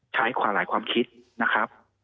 ใช้ความหลายความคิดนะครับ